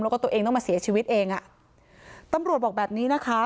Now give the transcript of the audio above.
แล้วก็ตัวเองต้องมาเสียชีวิตเองอ่ะตำรวจบอกแบบนี้นะคะ